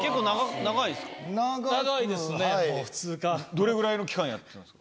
どれぐらいの期間やってたんですか？